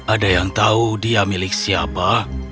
ada yang tahu dia milik siapa